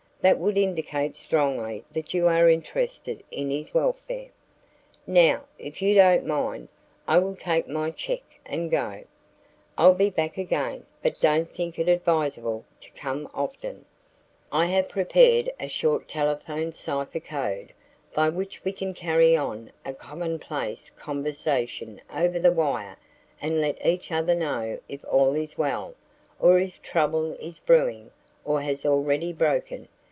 That would indicate strongly that you are interested in his welfare. "Now, if you don't mind, I will take my check and go. I'll be back again, but don't think it advisable to come often. I have prepared a short telephone cipher code by which we can carry on a commonplace conversation over the wire and let each other know if all is well or if trouble is brewing or has already broken.